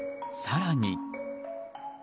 更に。